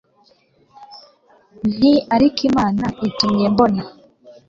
nti ariko imana itumye mbona